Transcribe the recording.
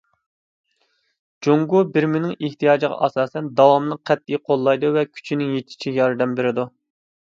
جۇڭگو بىرمىنىڭ ئېھتىياجىغا ئاساسەن، داۋاملىق قەتئىي قوللايدۇ ۋە كۈچىنىڭ يېتىشىچە ياردەم بېرىدۇ.